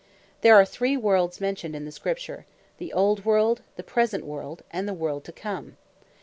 There are three worlds mentioned in Scripture, the Old World, the Present World, and the World to Come.